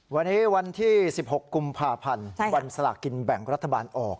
วันนี้วันที่๑๖กุมภาพันธ์วันสลากินแบ่งรัฐบาลออก